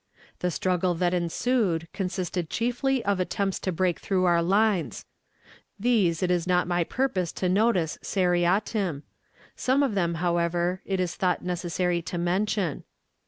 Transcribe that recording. The struggle that ensued consisted chiefly of attempts to break through our lines. These it is not my purpose to notice seriatim; some of them, however, it is thought necessary to mention.